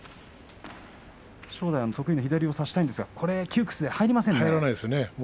正代、得意の左を差したいんですが窮屈で入りませんね。